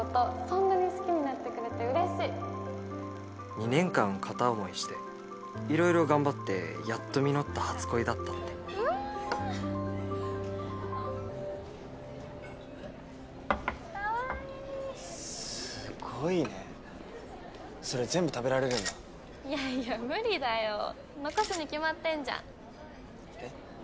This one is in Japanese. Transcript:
そんなに好きになってくれてうれしい２年間片思いしていろいろ頑張ってやっと実った初恋だったってうわーかわいいすごいねそれ全部食べられるんだいやいや無理だよ残すに決まってんじえっ？